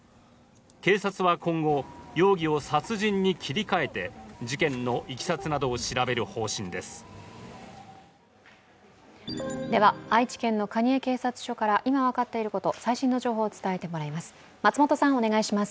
警察は今後、容疑を殺人に切り替えて事件のいきさつなどを調べる方針です。